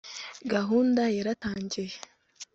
gahunda yaratangiye